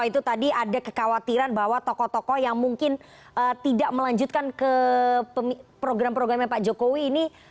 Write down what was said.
itu tadi ada kekhawatiran bahwa tokoh tokoh yang mungkin tidak melanjutkan ke program programnya pak jokowi ini